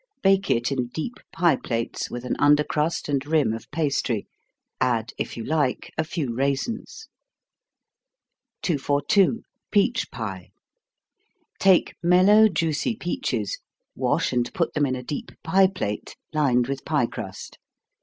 Bake it in deep pie plates, with an under crust and rim of pastry add if you like a few raisins. 242. Peach Pie. Take mellow, juicy peaches wash and put them in a deep pie plate, lined with pie crust.